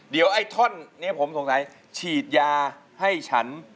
เดี๋ยวไอ้ท่อนนี้ผมสงสัยฉีดยาให้ฉัน